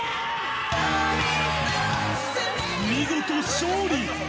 見事勝利！